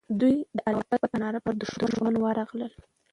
دوی د الله اکبر په ناره پر دښمن ورغلل.